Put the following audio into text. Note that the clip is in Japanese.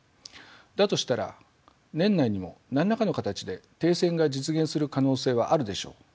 だとしたら年内にも何らの形で停戦が実現する可能性はあるでしょう。